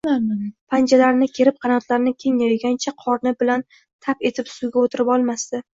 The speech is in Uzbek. — panjalarini kerib, qanotlarini keng yoygancha qorni bilan «tap» etib suvga o‘tirib olmasdi.